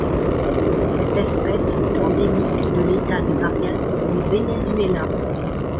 Cette espèce est endémique de l'État de Vargas au Venezuela.